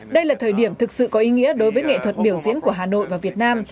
đây là thời điểm thực sự có ý nghĩa đối với nghệ thuật biểu diễn của hà nội và việt nam